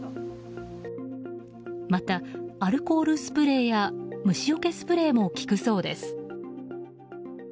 また、アルコールスプレーや虫よけスプレーも効くそうです。